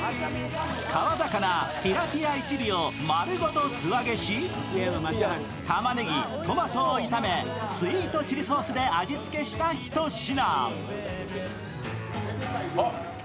川魚ティラピア１尾を丸ごと素揚げしタマネギ、トマトを炒めスイートチリソースで味付けしたひと品。